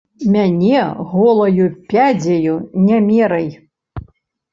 Мяне голаю пядзяю не мерай!